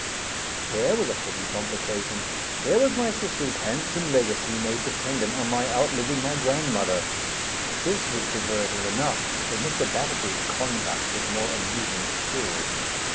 Here was a pretty complication! Here was my sister's handsome legacy made dependent on my outliving my grandmother! This was diverting enough; but Mr. Batterbury's conduct was more amusing still.